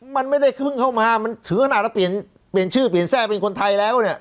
มันไม่ได้เพิ่งเข้ามามันถึงขนาดเราเปลี่ยนเปลี่ยนชื่อเปลี่ยนแทร่เป็นคนไทยแล้วเนี่ย